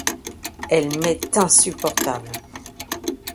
Elle m’est insupportable !